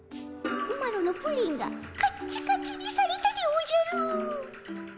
マロのプリンがカッチカチにされたでおじゃる。